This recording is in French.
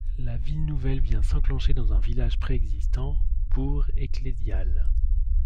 La ville nouvelle vient s'enclencher dans un village préexistant, bourg ecclésial.